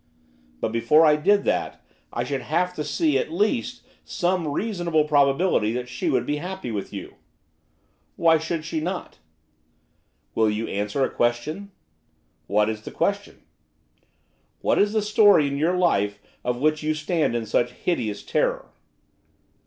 'But, before I did that, I should have to see, at least, some reasonable probability that she would be happy with you.' 'Why should she not?' 'Will you answer a question?' 'What is the question?' 'What is the story in your life of which you stand in such hideous terror?